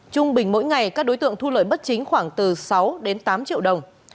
trung bình mỗi ngày các đối tượng thu lợi bất chính khoảng từ sáu đến tám triệu đồng